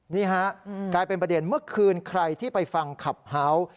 นี่ฮะกลายเป็นประเด็นเมื่อคืนใครที่ไปฟังขับเฮาส์